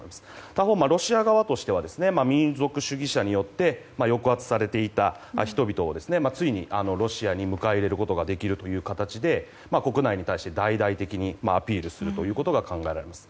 他方、ロシア側としては民族主義者から抑圧されていた人々をついにロシアに迎え入れることができるという形で国内に対して大々的にアピールするということが考えられます。